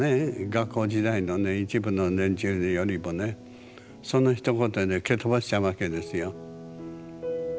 学校時代のね一部の連中よりもねそのひと言で蹴飛ばしちゃうわけですよ。